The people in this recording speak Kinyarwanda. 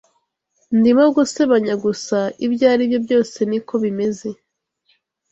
Ndimo gusebanya gusa, ibyo aribyo byose nikobimeze.